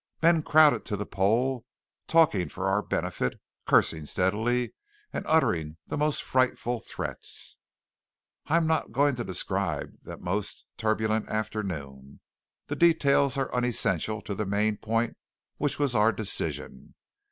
Men crowded to the pole, talking for our benefit, cursing steadily, and uttering the most frightful threats. I am not going to describe that most turbulent afternoon. The details are unessential to the main point, which was our decision.